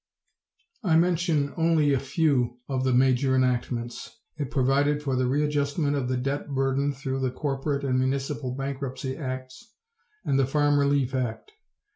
I mention only a few of the major enactments. It provided for the readjustment of the debt burden through the corporate and municipal bankruptcy acts and the Farm Relief Act.